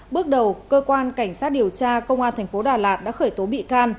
bước đầu cơ quan cảnh sát điều tra công an tp đà lạt đã khởi tố bị can